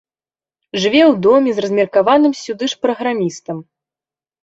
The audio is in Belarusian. Жыве ў доме з размеркаваным сюды ж праграмістам.